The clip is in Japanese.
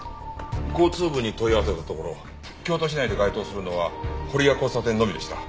交通部に問い合わせたところ京都市内で該当するのは堀屋交差点のみでした。